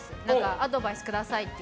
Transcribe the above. アドバイスくださいって。